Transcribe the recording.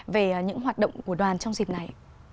về những hoạt động của đoàn trong dịp này